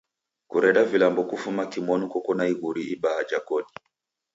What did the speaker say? Kureda vilambo kufuma kimonu koko na iguri ibaa ja kodi.